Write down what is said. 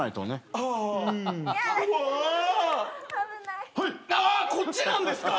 ああこっちなんですか！？